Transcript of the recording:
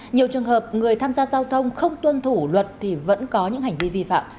nhiều trường hợp người tham gia giao thông không tuân thủ luật thì vẫn có những hành vi vi phạm